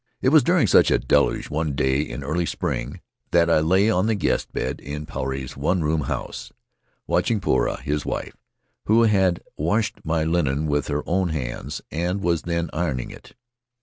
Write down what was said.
It was during such a deluge, one day in early spring, that I lay on the guest bed in Puarei's one room house, A Debtor of Moy Ling watching Poura, his wife, who had washed my linen with her own hands and was then ironing it.